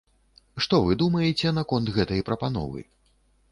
Што вы думаеце наконт гэтай прапановы?